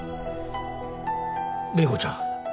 麗子ちゃん